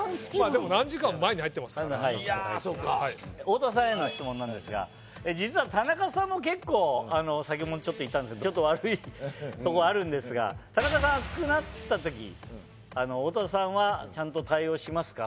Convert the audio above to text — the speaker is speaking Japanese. でも何時間も前に入ってますからはいちゃんと入っていやそうか太田さんへの質問なんですが実は田中さんも結構あの先ほどもちょっと言ったんですけどちょっと悪いとこあるんですが田中さん熱くなった時あの太田さんはちゃんと対応しますか？